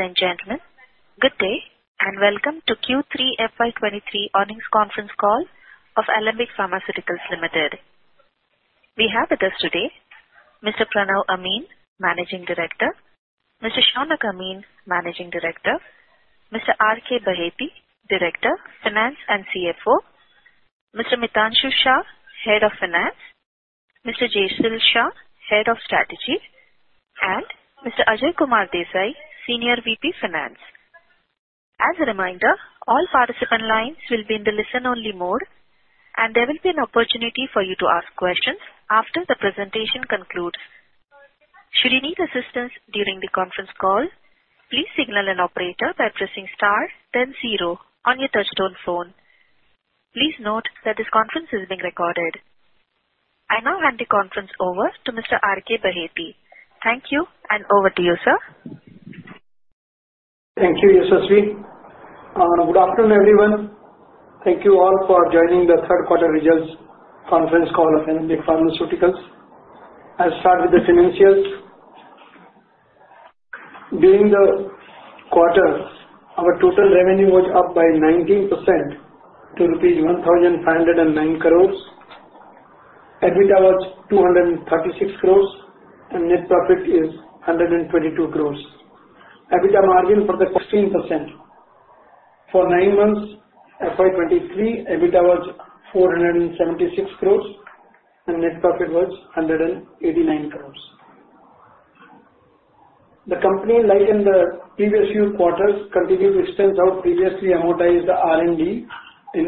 Ladies and gentlemen, good day and welcome to Q3 FY2023 earnings conference call of Alembic Pharmaceuticals Limited. We have with us today Mr. Pranav Amin, Managing Director, Mr. Shaunak Amin, Managing Director, Mr. R.K. Baheti, Director, Finance and CFO, Mr. Mitanshu Shah, Head of Finance, Mr. Jainil Shah, Head of Strategy, and Mr. Ajay Kumar Desai, Senior VP Finance. As a reminder, all participant lines will be in the listen-only mode. There will be an opportunity for you to ask questions after the presentation concludes. Should you need assistance during the conference call, please signal an operator by pressing star then zero on your touchtone phone. Please note that this conference is being recorded. I now hand the conference over to Mr. R.K. Baheti. Thank you. Over to you, sir. Thank you, Yashasvi. good afternoon, everyone. Thank you all for joining the Q3 results conference call of Alembic Pharmaceuticals. I'll start with the financials. During the quarter, our total revenue was up by 19% to rupees 1,509 crores. EBITDA was 236 crores and net profit is 122 crores. EBITDA margin was 13%. For nine months FY2023, EBITDA was 476 crores and net profit was 189 crores. The company, like in the previous few quarters, continued to extend out previously amortized R&D in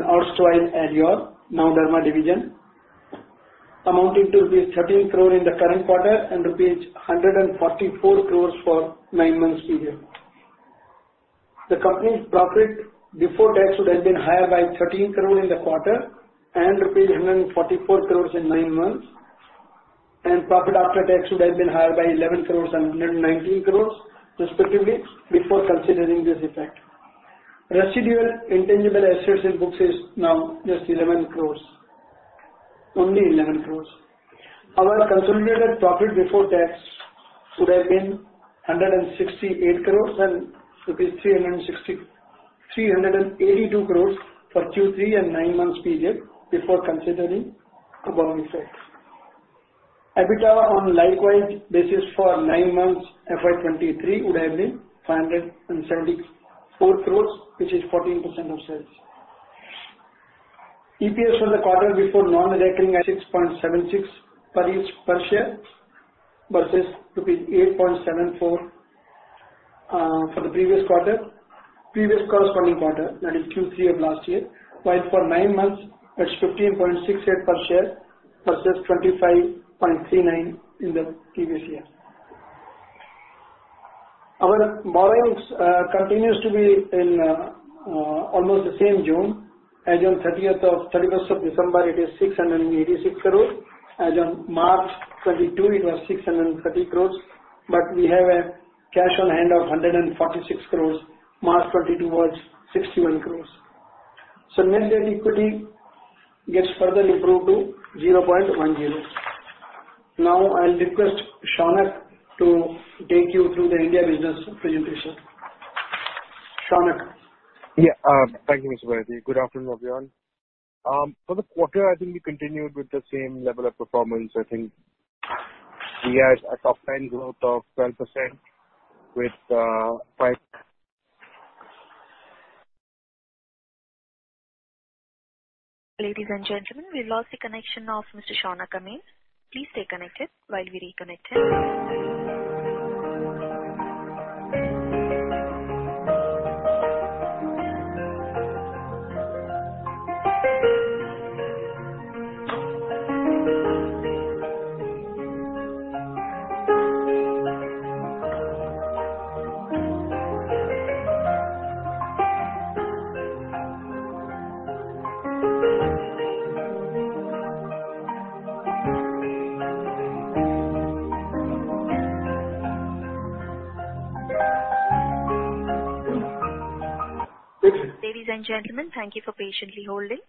Ladies and gentlemen, thank you for patiently holding.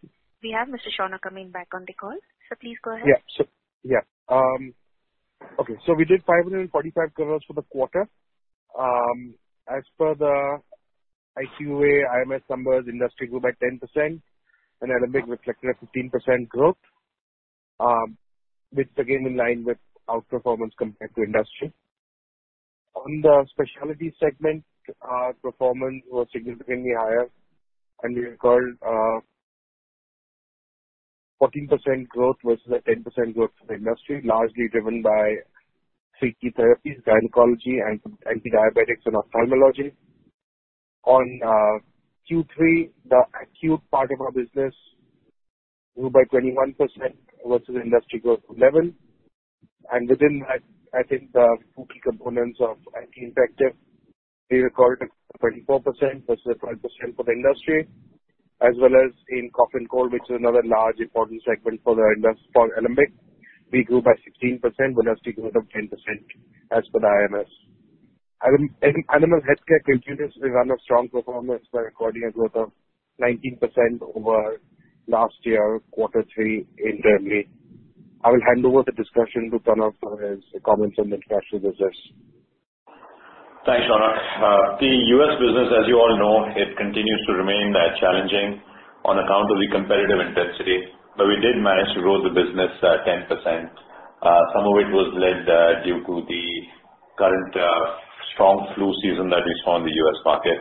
We have Mr. Shaunak Amin back on the call, so please go ahead. We did 545 crores for the quarter. As per the IQVIA IMS numbers, industry grew by 10% and Alembic reflected a 15% growth, which again in line with our performance compared to industry. On the specialty segment, our performance was significantly higher and we recorded 14% growth versus the 10% growth for the industry, largely driven by three key therapies, gynecology, anti-diabetics and ophthalmology. On Q3, the acute part of our business grew by 21% versus industry growth of 11%. Within that, I think the two key components of anti-infective, we recorded 24% versus 12% for the industry. As well as in Cough and Cold, which is another large important segment for Alembic, we grew by 16% with industry growth of 10% as per the IMS. Animal Healthcare continues to run a strong performance by recording a growth of 19% over last year, quarter three in terms of. I will hand over the discussion to Pranav for his comments on the cash reserves. Thanks, Shaunak. The U.S. business, as you all know, it continues to remain challenging on account of the competitive intensity, but we did manage to grow the business 10%. Some of it was led due to the current strong flu season that we saw in the U.S. market.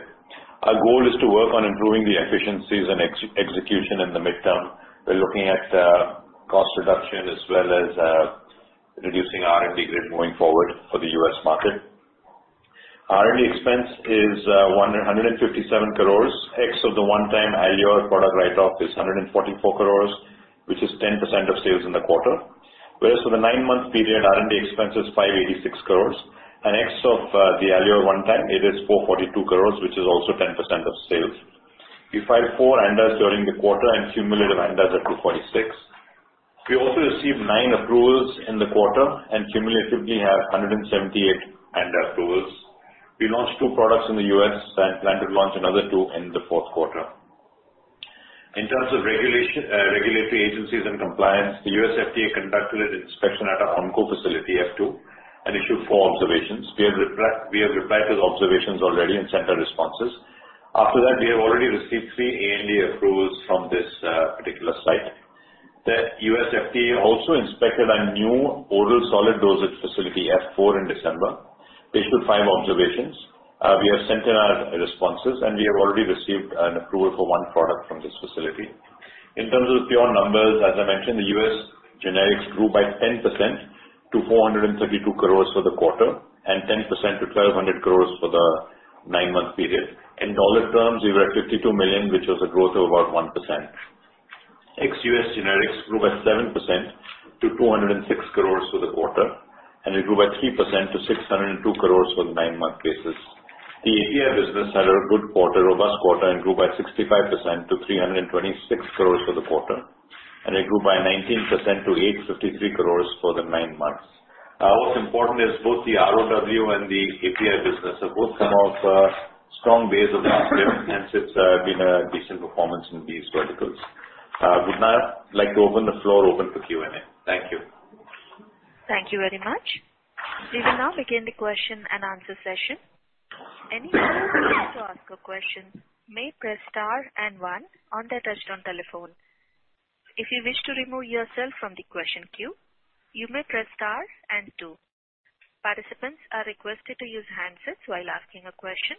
Our goal is to work on improving the efficiencies and execution in the midterm. We're looking at cost reduction as well as reducing R&D grid going forward for the U.S. market. R&D expense is 157 crores, ex of the one-time Alere product write-off is 144 crores, which is 10% of sales in the quarter. For the nine-month period, R&D expense is 586 crores and ex of the Alere one time, it is 442 crores, which is also 10% of sales. We filed four ANDAs during the quarter and cumulative ANDAs at 246. We also received nine approvals in the quarter and cumulatively have 178 ANDA approvals. We launched two products in the U.S. and plan to launch another two in the fourth quarter. In terms of regulation, regulatory agencies and compliance, the U.S. FDA conducted an inspection at our Onco facility, F2, and issued four observations. We have replied to the observations already and sent our responses. After that, we have already received three ANDA approvals from this particular site. The U.S. FDA also inspected our new oral solid dosage facility, F4, in December. They issued five observations. We have sent in our responses, and we have already received an approval for one product from this facility. In terms of pure numbers, as I mentioned, the U.S. generics grew by 10% to 432 crores for the quarter and 10% to 1,200 crores for the nine-month period. In dollar terms, we were at $52 million, which was a growth of about 1%. Ex-U.S. generics grew by 7% to 206 crores for the quarter, and it grew by 3% to 602 crores for the nine-month basis. The API business had a good quarter, robust quarter and grew by 65% to 326 crores for the quarter, and it grew by 19% to 853 crores for the nine months. What's important is both the ROW and the API business have both come off, strong base of last year, and since, been a decent performance in these verticals. With that, I'd like to open the floor open for Q&A. Thank you. Thank you very much. We will now begin the question and answer session. Any participant who wants to ask a question, may press star and one on their touchtone telephone. If you wish to remove yourself from the question queue, you may press star and two. Participants are requested to use handsets while asking a question.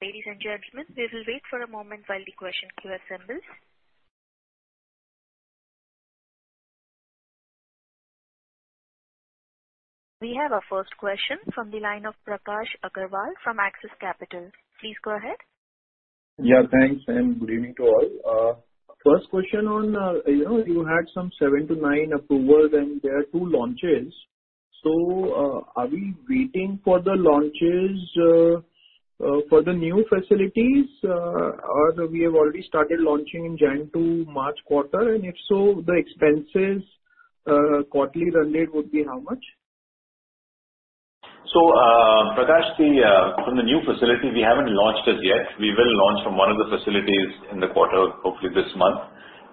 Ladies and gentlemen, we will wait for a moment while the question queue assembles. We have our first question from the line of Prakash Agarwal from Axis Capital. Please go ahead. Yeah, thanks and good evening to all. First question on you had some 7-9 approvals, and there are 2 launches. Are we waiting for the launches for the new facilities? We have already started launching in Jan to March quarter, if so, the expenses, quarterly run rate would be how much? Prakash, the, from the new facility, we haven't launched as yet. We will launch from one of the facilities in the quarter, hopefully this month.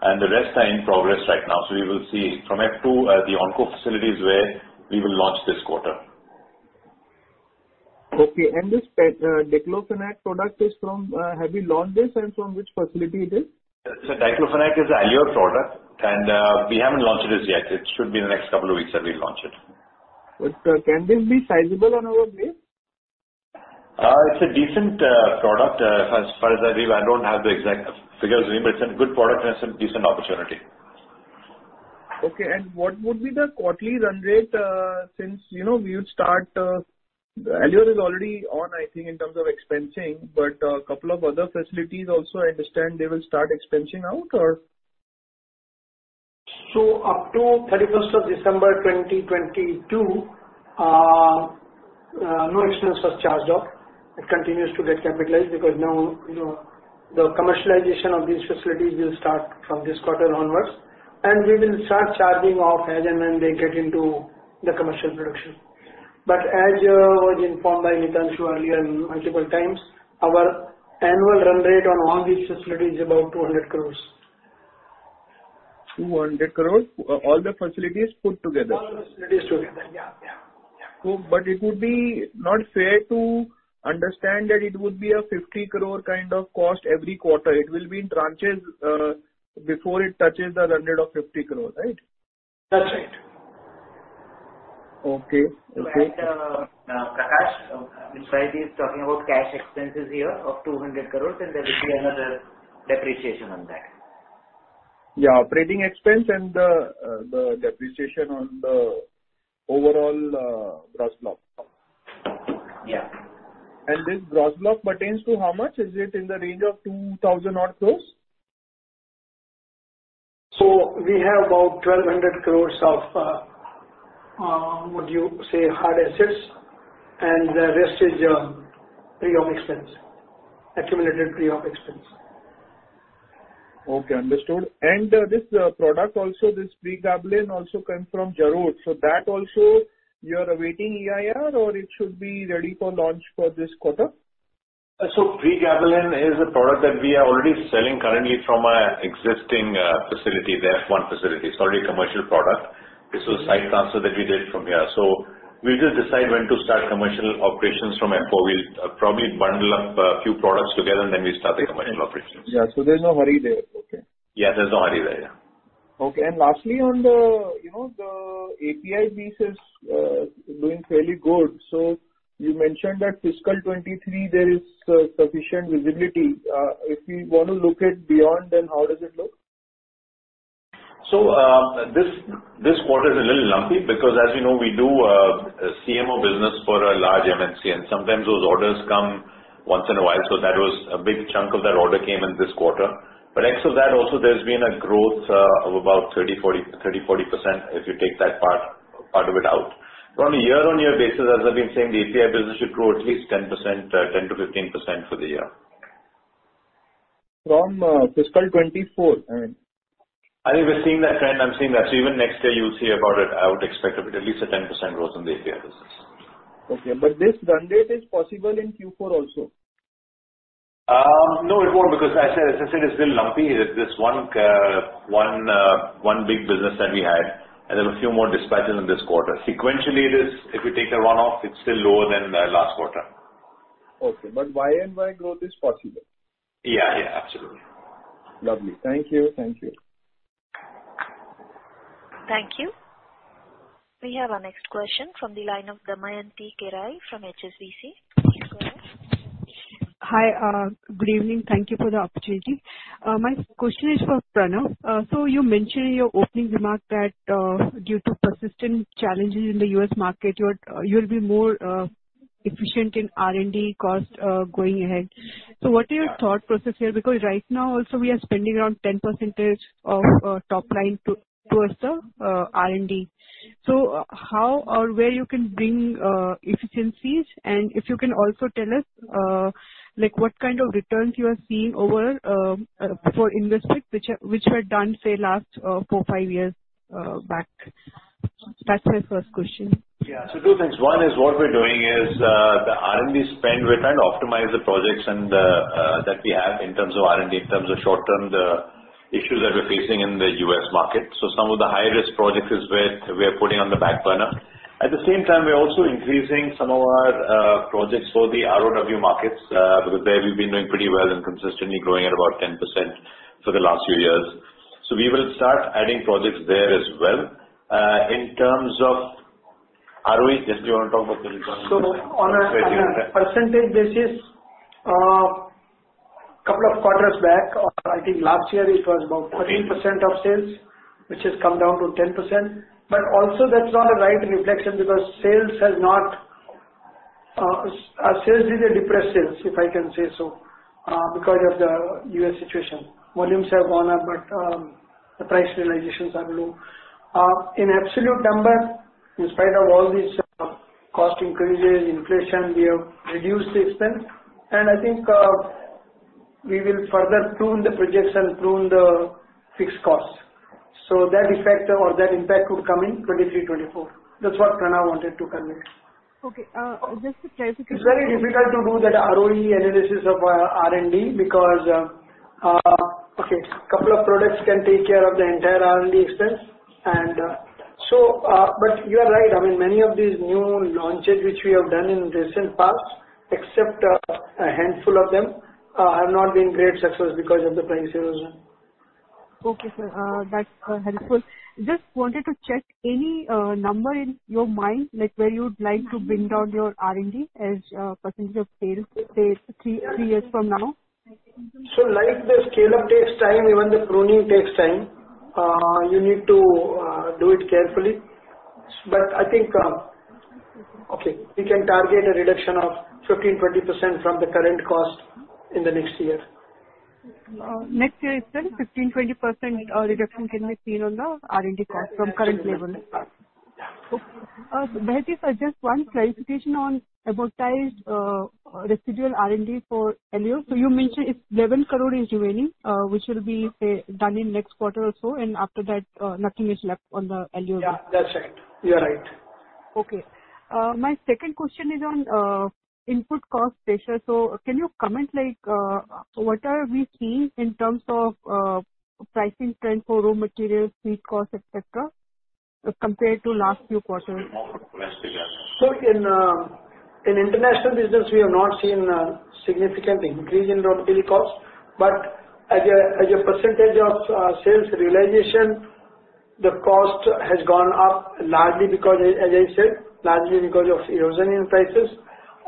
The rest are in progress right now. We will see from F2, the Oncology facilities where we will launch this quarter. Okay. This diclofenac product is from, have you launched this and from which facility it is? diclofenac is an Alere product, and we haven't launched it as yet. It should be in the next couple of weeks that we'll launch it. Can this be sizable on our way? It's a decent product. As far as I don't have the exact figures with me, it's a good product and it's a decent opportunity. Okay, what would be the quarterly run rate, since we would start Alere is already on, I think, in terms of expensing, but a couple of other facilities also, I understand they will start expensing out or? Up to 31st of December 2022, no expense was charged off. It continues to get capitalized because now the commercialization of these facilities will start from this quarter onwards, and we will start charging off as and when they get into the commercial production. As was informed by Mitanshu too earlier multiple times, our annual run rate on all these facilities is about 200 crores. 200 crores, all the facilities put together? All the facilities together. Yeah, yeah. It would be not fair to understand that it would be an 50 crore kind of cost every quarter. It will be in tranches, before it touches the run rate of 50 crore, right? That's right. Okay. Okay. Prakash, Nitin is talking about cash expenses here of 200 crores, and there will be another depreciation on that. Yeah, operating expense and the depreciation on the overall, gross block. Yeah. This gross block pertains to how much? Is it in the range of 2,000 odd crores? We have about 1,200 crores of, would you say hard assets, and the rest is pre-operative expense, accumulated pre-operative expense. Okay, understood. This product also, this Pregabalin also comes from Jarod. That also you're awaiting EIR or it should be ready for launch for this quarter? Pregabalin is a product that we are already selling currently from our existing facility, the F1 facility. It's already a commercial product. Mm-hmm. This is a site transfer that we did from here. We'll just decide when to start commercial operations from F4. We'll probably bundle up a few products together and then we start the commercial operations. Yeah. There's no hurry there. Okay. Yeah, there's no hurry there. Yeah. Okay. Lastly, on the the API business, is doing fairly good. You mentioned that fiscal 2023 there is sufficient visibility. If we want to look at beyond then how does it look? This quarter is a little lumpy because as, we do CMO business for a large MNC, and sometimes those orders come once in a while. That was a big chunk of that order came in this quarter. X of that also there's been a growth of about 30%-40% if you take that part of it out. On a year-on-year basis, as I've been saying the API business should grow at least 10%-15% for the year. From, fiscal 2024, I mean. I think we're seeing that trend. I'm seeing that. Even next year you'll see about it. I would expect at least a 10% growth in the API business. Okay. This run rate is possible in Q4 also? No it won't because as I said, it's still lumpy. There's this one big business that we had and then a few more dispatched in this quarter. Sequentially it is. If we take a one-off, it's still lower than the last quarter. Okay. Y-o-Y growth is possible. Yeah, yeah, absolutely. Lovely. Thank you. Thank you. Thank you. We have our next question from the line of Damayanti Kerai from HSBC. Kerai? Hi. Good evening. Thank you for the opportunity. My question is for Pranav. You mentioned in your opening remark that due to persistent challenges in the U.S. market, you'll be more efficient in R&D cost going ahead. What is your thought process here? Right now also we are spending around 10% of top line towards the R&D. How or where you can bring efficiencies? If you can also tell us like what kind of returns you are seeing over for investments which are, which were done, say, last four, five years back. That's my first question. Yeah. 2 things. One is what we're doing is, the R&D spend, we're trying to optimize the projects and that we have in terms of R&D, in terms of short-term, the issues that we're facing in the U.S. market. Some of the high-risk projects is where we are putting on the back burner. At the same time, we are also increasing some of our projects for the ROW markets, because there we've been doing pretty well and consistently growing at about 10% for the last few years. We will start adding projects there as well. In terms of ROE, Jainil Shah, you wanna talk about the returns? On a, on a percentage basis, couple of quarters back, or I think last year it was about 14% of sales, which has come down to 10%. Also that's not a right reflection because sales has not, our sales did a depress sales, if I can say so, because of the U.S. situation. Volumes have gone up, the price realizations are low. In absolute number, in spite of all these cost increases, inflation, we have reduced the expense and I think, we will further prune the projects and prune the fixed costs. That effect or that impact would come in 2023, 2024. That's what Pranav wanted to convey. Okay. just to clarify- It's very difficult to do that ROE analysis of R&D because, okay, a couple of products can take care of the entire R&D expense. You are right. I mean, many of these new launches which we have done in recent past, except a handful of them, have not been great success because of the pricing erosion. Okay, sir. That's helpful. Just wanted to check any number in your mind, like where you'd like to bring down your R&D as a % of sales, say, three years from now? Like the scale-up takes time, even the pruning takes time. You need to do it carefully. I think, okay, we can target a reduction of 15%-20% from the current cost in the next year. Next year, you said 15%-20% reduction can be seen on the R&D cost from current level. Yeah. Okay. Baheti, just one clarification on amortized residual R&D for Alere. You mentioned it's 11 crore is remaining, which will be, say, done in next quarter or so, and after that, nothing is left on the Alere. Yeah, that's right. You are right. Okay. My second question is on input cost pressure. Can you comment like, what are we seeing in terms of pricing trend for raw materials, seed cost, et cetera, compared to last few quarters? In international business we have not seen a significant increase in raw material costs. As a % of sales realization, the cost has gone up largely because, as I said, largely because of erosion in prices.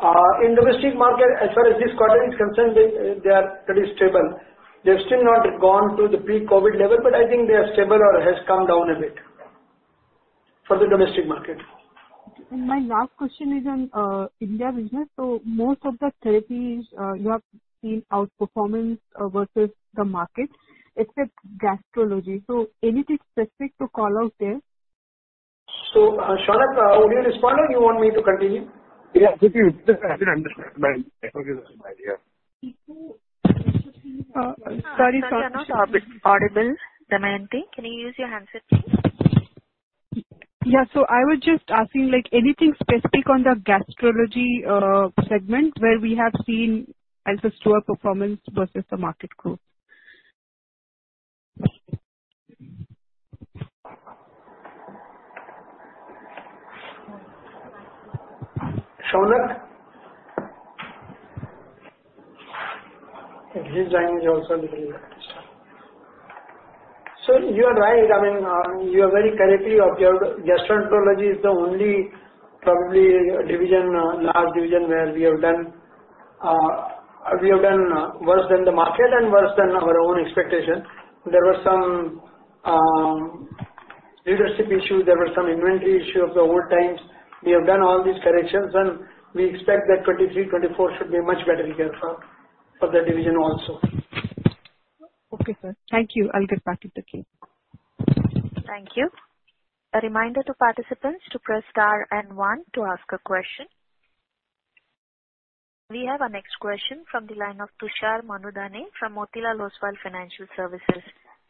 In domestic market, as far as this quarter is concerned, they are pretty stable. They've still not gone to the pre-COVID level, but I think they are stable or has come down a bit for the domestic market. My last question is on India business. Most of the therapies, you have seen outperformance versus the market except gastroenterology. Anything specific to call out there? Shaunak, would you respond or you want me to continue? Yeah, please do. Just I didn't understand. Okay. Yeah. Sorry, sir. Damayanti, you're not audible, Damayanti. Can you use your handset please? Yeah. I was just asking like anything specific on the gastroenterology segment where we have seen lesser store performance versus the market growth? Shaunak? He's joining also. You are right. I mean, you have very correctly observed. Gastroenterology is the only probably division, large division where we have done, we have done worse than the market and worse than our own expectation. There were some leadership issues. There were some inventory issue of the old times. We have done all these corrections, and we expect that FY2023, FY2024 should be much better here for the division also. Okay, sir. Thank you. I'll get back to the queue. Thank you. A reminder to participants to press star and one to ask a question. We have our next question from the line of Tushar Manudhane from Motilal Oswal Financial Services.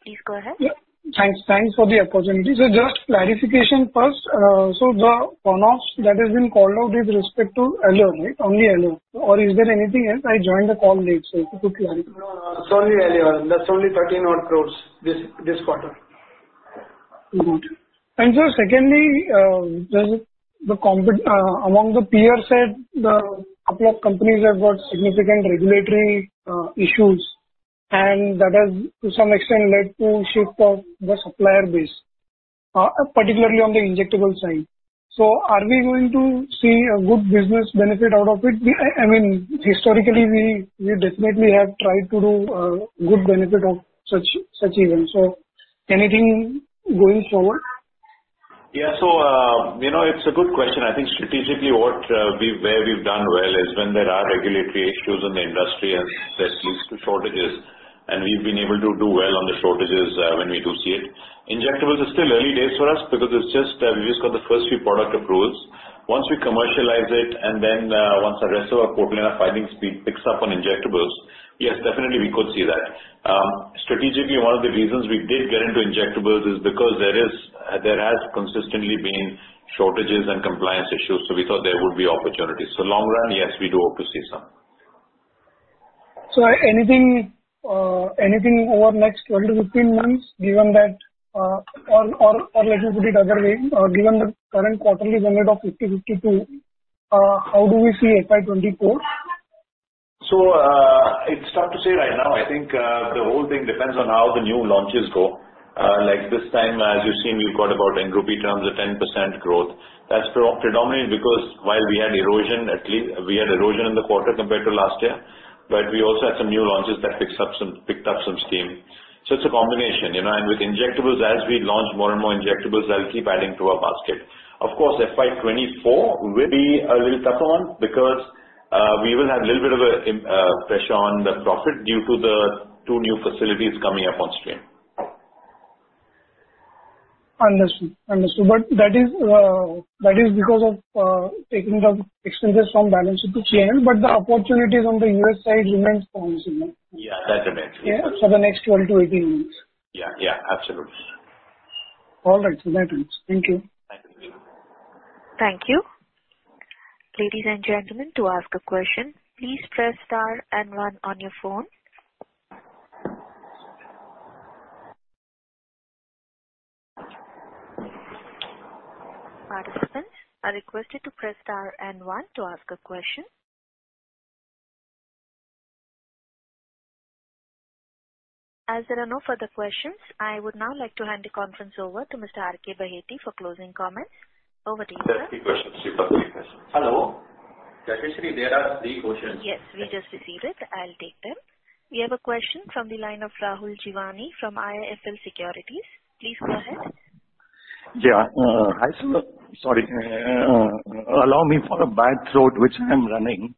Please go ahead. Yeah. Thanks. Thanks for the opportunity. Just clarification first. The one-offs that has been called out with respect to Alere, right? Only Alere. Is there anything else? I joined the call late, if you could clarify. No, no. It's only Alembic Pharmaceuticals. That's only 13 odd crores this quarter. Good. Sir, secondly, just among the peer set, the couple of companies have got significant regulatory issues, and that has to some extent led to shift of the supplier base, particularly on the injectable side. Are we going to see a good business benefit out of it? I mean, historically, we definitely have tried to do a good benefit of such events. Anything going forward? yeah it's a good question. I think strategically what we've where we've done well is when there are regulatory issues in the industry and that leads to shortages, and we've been able to do well on the shortages when we do see it. Injectables is still early days for us because it's just we've just got the first few product approvals. Once we commercialize it and then once the rest of our pipeline, our piping speed picks up on injectables, yes, definitely we could see that. Strategically, one of the reasons we did get into injectables is because there has consistently been shortages and compliance issues. We thought there would be opportunities. Long run, yes, we do hope to see some. Anything over next 12 to 18 months given that, or let me put it other way. Given the current quarterly run rate of 50, 52, how do we see FY2024? It's tough to say right now. I think the whole thing depends on how the new launches go. Like this time, as you've seen, we've got about in INR terms a 10% growth. That's predominant because while we had erosion, at least we had erosion in the quarter compared to last year, we also had some new launches that picked up some steam. It's a combination,. With injectables, as we launch more and more injectables, that'll keep adding to our basket. Of course, FY2024 will be a little tougher one because we will have a little bit of a pressure on the profit due to the two new facilities coming up on stream. Understood. Understood. That is because of taking the expenses from balance sheet to P&L. Yeah. The opportunities on the U.S. side remains promising, no? Yeah, that remains. Yeah. For the next 12-18 months. Yeah. Yeah. Absolutely. All right. That helps. Thank you. Thank you. Thank you. Ladies and gentlemen, to ask a question, please press star and one on your phone. Participants are requested to press star and one to ask a question. As there are no further questions, I would now like to hand the conference over to Mr. R.K. Baheti for closing comments. Over to you, sir. There are three questions. You've got three questions. Hello. Definitely there are three questions. Yes, we just received it. I'll take them. We have a question from the line of Rahul Jeewani from IIFL Securities. Please go ahead. Yeah. Hi, sir. Sorry. Allow me for a bad throat, which I'm running.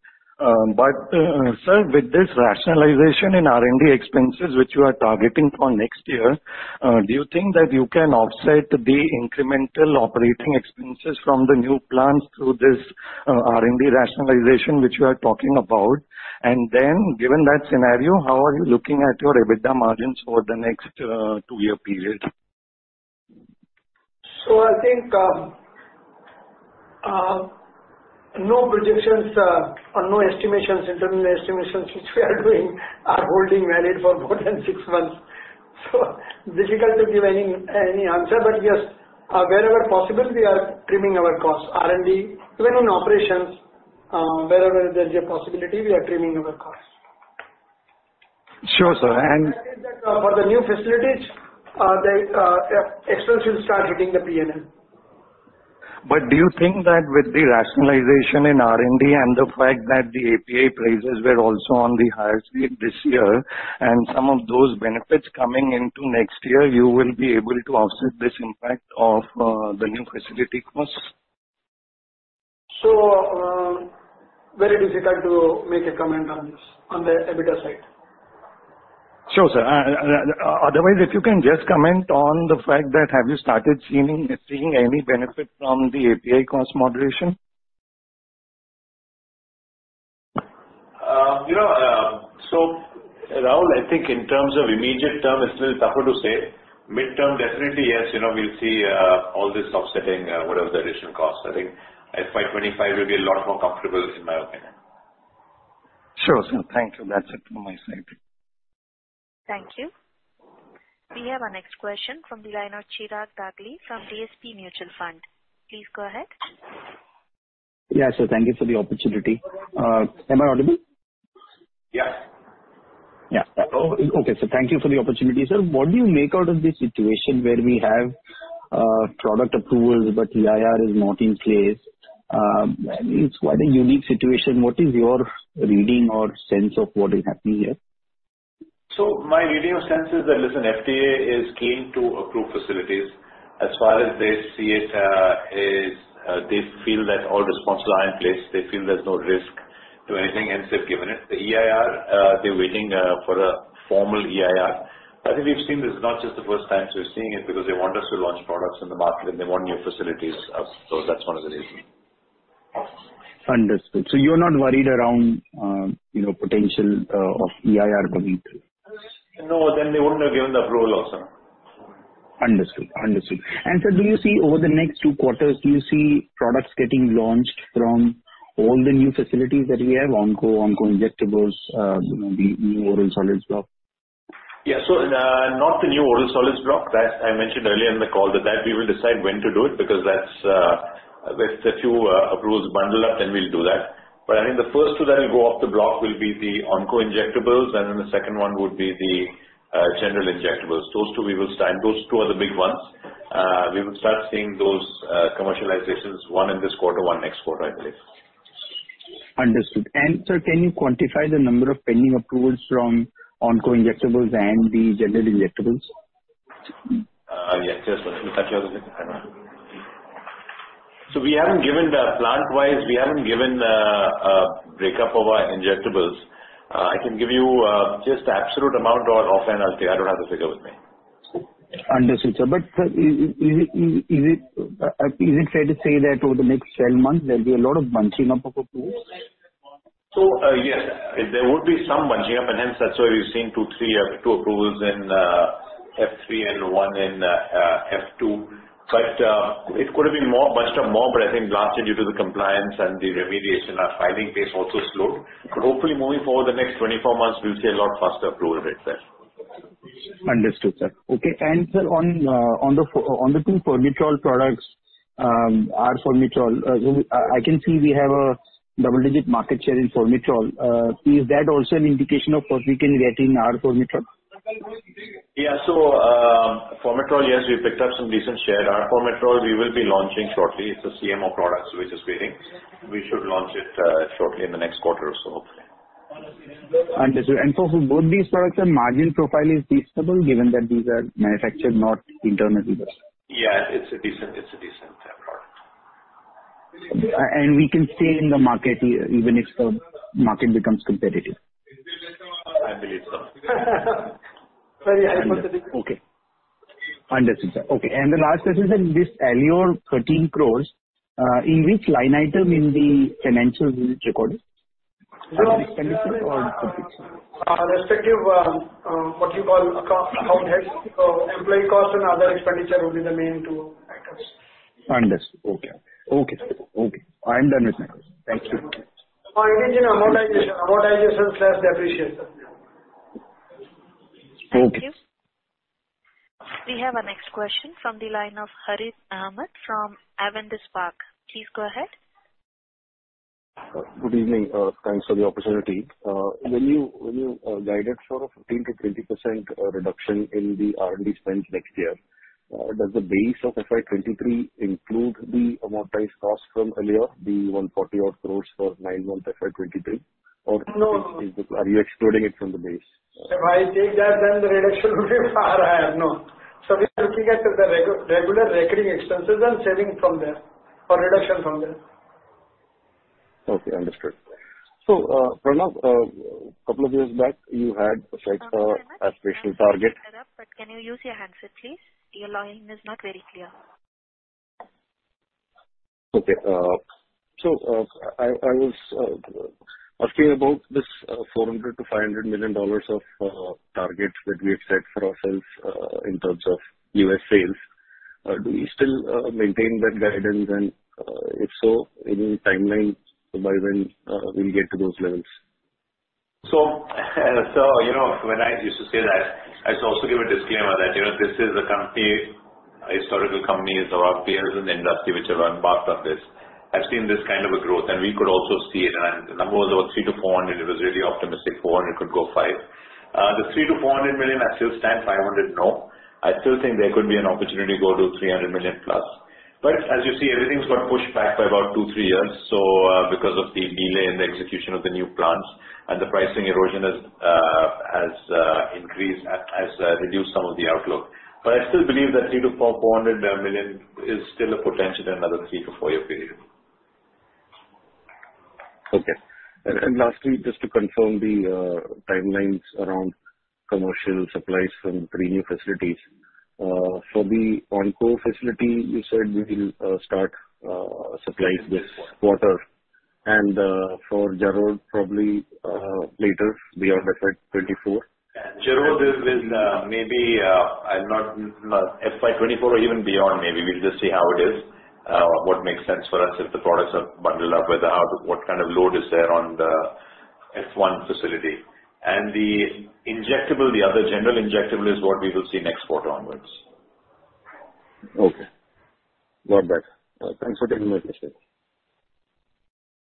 Sir, with this rationalization in R&D expenses which you are targeting for next year, do you think that you can offset the incremental operating expenses from the new plants through this R&D rationalization which you are talking about? Given that scenario, how are you looking at your EBITDA margins for the next two-year period? I think, no projections, or no estimations, internal estimations which we are doing are holding valid for more than six months. Difficult to give any answer, but yes, wherever possible we are trimming our costs. R&D, even in operations, wherever there's a possibility, we are trimming our costs. Sure, sir. That is that, for the new facilities, expenses start hitting the P&L. Do you think that with the rationalization in R&D and the fact that the API prices were also on the higher side this year and some of those benefits coming into next year, you will be able to offset this impact of the new facility costs? Very difficult to make a comment on this, on the EBITDA side. Sure, sir. otherwise, if you can just comment on the fact that have you started seeing any benefit from the API cost moderation? Rahul, I think in terms of immediate term, it's still tougher to say. Mid-term, definitely, yes we'll see all this offsetting whatever the additional cost. I think FY2025 will be a lot more comfortable in my opinion. Sure, sir. Thank you. That's it from my side. Thank you. We have our next question from the line of Chirag Paglia from DSP Mutual Fund. Please go ahead. Yeah, sir. Thank you for the opportunity. Am I audible? Yes. Yeah. Okay. Thank you for the opportunity. Sir, what do you make out of this situation where we have product approvals, but EIR is not in place? It's quite a unique situation. What is your reading or sense of what is happening here? My reading or sense is that, listen, FDA is keen to approve facilities. As far as they see it, they feel that all the sponsors are in place. They feel there's no risk to anything. They've given it. The EIR. They're waiting for a formal EIR. I think we've seen this not just the first time. We're seeing it because they want us to launch products in the market and they want new facilities up. That's one of the reason. Understood. You're not worried around potential of EIR going through? No. They wouldn't have given the approval also. Understood. Understood. Sir, over the next Q2, do you see products getting launched from all the new facilities that you have, onco, oncology injectables the new oral solids block? Yeah. Not the new oral solids block. That I mentioned earlier in the call. That we will decide when to do it because that's if the two approvals bundle up, then we'll do that. I think the first two that will go off the block will be the oncology injectables, and then the second one would be the General Injectables. Those two we will start. Those two are the big ones. We will start seeing those commercializations, one in this quarter, one next quarter, I believe. Understood. Sir, can you quantify the number of pending approvals from oncology injectables and the General Injectables? Yeah. Sure, sir. Let me touch on it. We haven't given the plant-wise. We haven't given a breakup of our injectables. I can give you just the absolute amount or offline. I'll say I don't have the figure with me. Understood, sir. Sir, is it fair to say that over the next 12 months there'll be a lot of bunching up of approvals? Yes, there would be some bunching up, and hence that's why we've seen two, three, two approvals in F three and one in F two. It could have been more, bunched up more, but I think largely due to the compliance and the remediation, our filing pace also slowed. Hopefully moving forward the next 24 months we'll see a lot faster approval rates there. Understood, sir. Okay. Sir, on the two Arformoterol products, R Arformoterol, I can see we have a double-digit market share in Arformoterol. Is that also an indication of what we can get in R Arformoterol? Yeah. Arformoterol, yes, we've picked up some decent share. Arformoterol we will be launching shortly. It's a CMO product, we're just waiting. We should launch it shortly in the next quarter or so, hopefully. Understood. For both these products, the margin profile is decent, given that these are manufactured not internally. Yeah. It's a decent product. We can stay in the market even if the market becomes competitive. I believe so. Sorry. Okay. Understood, sir. Okay. The last question, sir. This Alere 13 crores, in which line item in the financials is it recorded? As expenditure or- respective, what you call account heads. Employee cost and other expenditure will be the main two items. Understood. Okay. Okay. Okay. I'm done with my questions. Thank you. It is amortization. Amortization/depreciation. Okay. Thank you. We have our next question from the line of Harith Ahamed from Avendus Spark. Please go ahead. Good evening. Thanks for the opportunity. When you guided sort of 15%-20% reduction in the R&D spends next year, does the base of FY2023 include the amortized cost from earlier, the 140 odd crores for 9 months FY2023? No. Are you excluding it from the base? If I take that, then the reduction will be far higher. No. We are looking at the regular recurring expenses and saving from there or reduction from there. Okay, understood. Pranav, two years back you had set an aspirational target. Harith, can you use your handset, please? Your line is not very clear. Okay. I was asking about this $400 million-$500 million of targets that we had set for ourselves in terms of U.S. sales. Do we still maintain that guidance? If so, any timeline by when we'll get to those levels?, when I used to say that I used to also give a disclaimer that this is a company, a historical company. Our peers in the industry which have embarked on this have seen this kind of a growth and we could also see it. The number was about 300 million-400 million. It was really optimistic. 400 million, it could go 500 million. The 300 million-400 million, I still stand. 500 million, no. I still think there could be an opportunity to go to 300 million+. As you see, everything's got pushed back by about two, three years. Because of the delay in the execution of the new plants and the pricing erosion has increased, has reduced some of the outlook. I still believe that 400 million is still a potential in another three to four-year period. Okay. Lastly, just to confirm the timelines around commercial supplies from the 3 new facilities. For the Oncology facility, you said you will start supplies this quarter. For Jarod, probably later beyond that said 2024. Jarod is maybe, I'm not, FY2024 or even beyond, maybe. We'll just see how it is. What makes sense for us if the products are bundled up, whether or not what kind of load is there on the F1 facility. The injectable, the other General Injectables is what we will see next quarter onwards. Okay. Got that. Thanks for taking my question.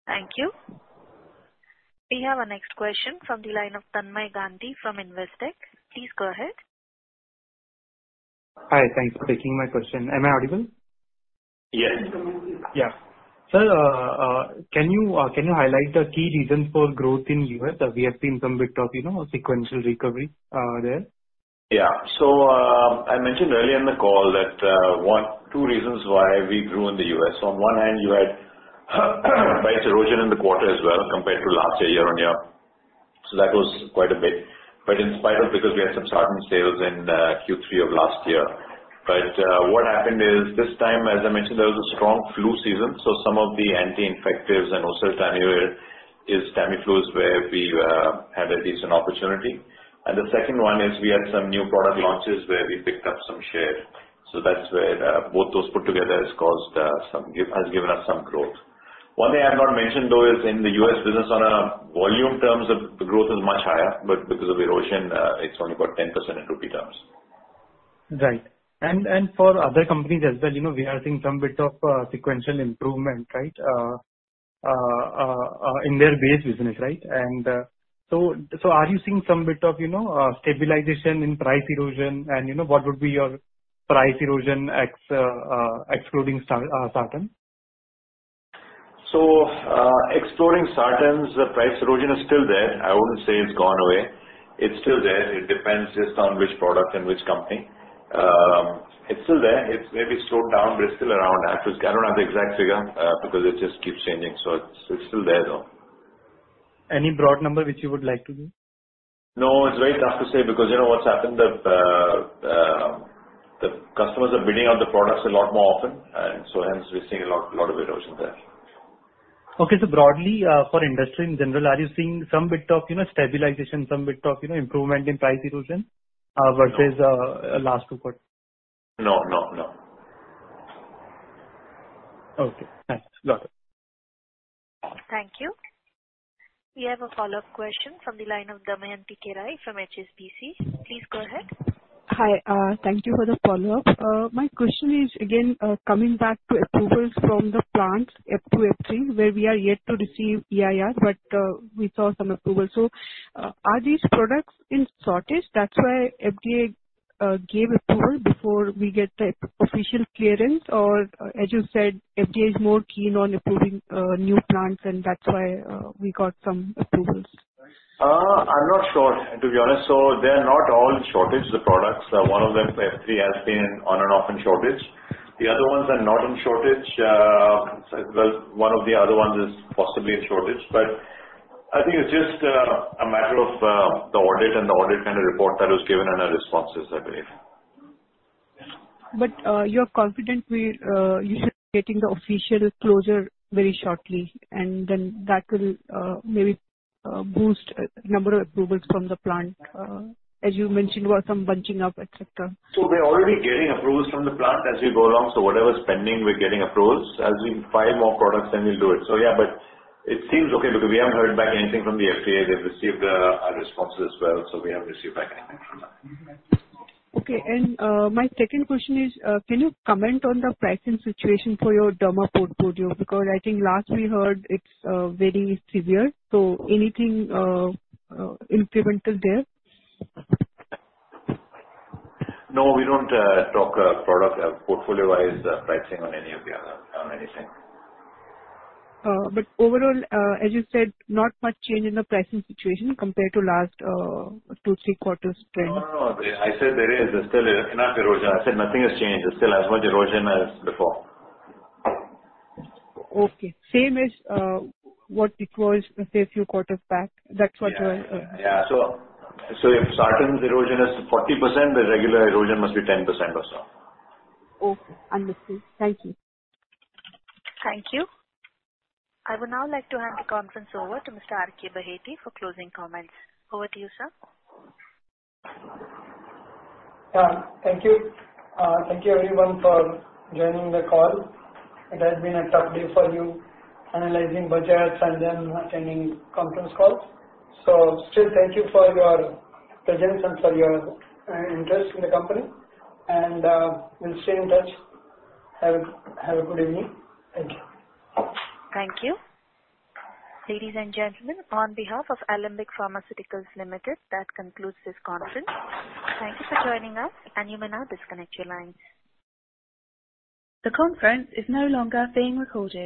Thank you. We have our next question from the line of Tanmay Gandhi from Investec. Please go ahead. Hi. Thanks for taking my question. Am I audible? Yes. Yeah. Can you highlight the key reasons for growth in U.S.? We have seen some bit of sequential recovery there. I mentioned earlier in the call that two reasons why we grew in the U.S. On one hand, you had price erosion in the quarter as well compared to last year year-on-year. That was quite a bit. In spite of, because we had some Sartan sales in Q3 of last year. What happened is this time, as I mentioned, there was a strong flu season, so some of the anti-infectives and also Tamiflu is Tamiflu's where we had at least an opportunity. The second one is we had some new product launches where we picked up some share. That's where both those put together has given us some growth. One thing I've not mentioned, though, is in the U.S. business on a volume terms, the growth is much higher, but because of erosion, it's only about 10% in rupee terms. Right. For other companies as well we are seeing some bit of, sequential improvement, right, in their base business, right. So are you seeing some bit of stabilization in price erosion?, what would be your price erosion excluding Sartan? Excluding Sartans, the price erosion is still there. I wouldn't say it's gone away. It's still there. It depends just on which product and which company. It's still there. It's maybe slowed down, but it's still around. I just I don't have the exact figure because it just keeps changing, it's still there, though. Any broad number which you would like to give? No, it's very tough to say because what's happened? The customers are bidding out the products a lot more often, hence we're seeing a lot of erosion there. Okay. broadly, for industry in general, are you seeing some bit of stabilization, some bit of improvement in price erosion? No. versus last Q2? No, no. Okay. Thanks. Got it. Thank you. We have a follow-up question from the line of Damayanti Kerai from HSBC. Please go ahead. Hi. Thank you for the follow-up. My question is again, coming back to approvals from the plants F2, F3, where we are yet to receive EIR, we saw some approval. Are these products in shortage, that's why FDA gave approval before we get the official clearance? As you said, FDA is more keen on approving new plants and that's why we got some approvals. I'm not sure, to be honest. They're not all in shortage, the products. One of them, F3, has been on and off in shortage. The other ones are not in shortage. Well, one of the other ones is possibly in shortage, but I think it's just a matter of the audit and the audit kind of report that was given and our responses, I believe. You're confident you should be getting the official closure very shortly, and then that will maybe boost a number of approvals from the plant, as you mentioned, about some bunching up, et cetera. We're already getting approvals from the plant as we go along, so whatever's pending, we're getting approved. As we file more products, then we'll do it. Yeah, but it seems okay because we haven't heard back anything from the FDA. They've received our responses as well, so we haven't received back anything from them. Okay. My second question is, can you comment on the pricing situation for your derma portfolio? Because I think last we heard it's very severe. Anything incremental there? No, we don't talk product portfolio-wise, the pricing on any of the on anything. Overall, as you said, not much change in the pricing situation compared to last, two, three quarters trend. No, no. I said there is. There's still enough erosion. I said nothing has changed. There's still as much erosion as before. Okay. Same as, what you closed, let's say, a few quarters back. That's what you're. Yeah. Yeah. If Sartan's erosion is 40%, the regular erosion must be 10% or so. Okay. Understood. Thank you. Thank you. I would now like to hand the conference over to Mr. R.K. Baheti for closing comments. Over to you, sir. Yeah. Thank you. Thank you everyone for joining the call. It has been a tough day for you analyzing budgets and then attending conference calls. Still, thank you for your presence and for your interest in the company. We'll stay in touch. Have a good evening. Thank you. Thank you. Ladies and gentlemen, on behalf of Alembic Pharmaceuticals Limited, that concludes this conference. Thank you for joining us, and you may now disconnect your lines. The conference is no longer being recorded.